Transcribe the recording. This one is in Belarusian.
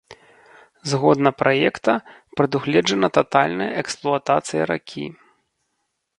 Згодна праекта, прадугледжана татальная эксплуатацыя ракі.